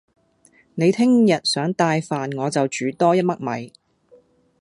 你聽日想帶飯我就煮多一嘜米